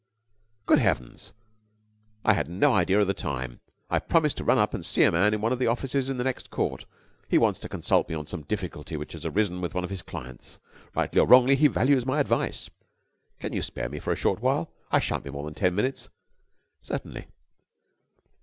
"Good Heavens! I had no idea of the time. I promised to run up and see a man in one of the offices in the next court. He wants to consult me on some difficulty which has arisen with one of his clients. Rightly or wrongly he values my advice. Can you spare me for a short while? I shan't be more than ten minutes." "Certainly."